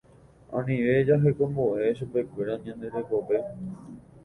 Anive jahekomboʼe chupekuéra ñande rekópe.